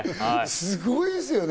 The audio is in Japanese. すごいですよね。